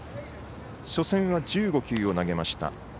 初戦は１５球を投げました。